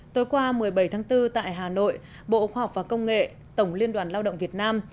tối qua một mươi bảy tháng bốn tại hà nội bộ khoa học và công nghệ tổng liên đoàn lao động việt nam